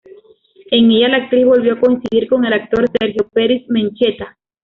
En ella la actriz volvió a coincidir con el actor Sergio Peris-Mencheta.